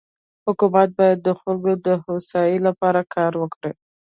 حکومت بايد د خلکو دهوسايي لپاره کار وکړي.